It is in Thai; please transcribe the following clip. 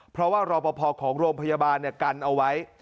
เพราะว่ารอปภของโรงพยาบาลกันเอาไว้